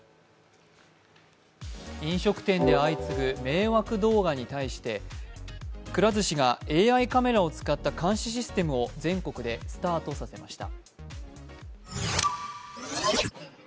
飲食店で相次ぐ迷惑動画に対してくら寿司がＡＩカメラを使った監視システムを全国でスタートさせました。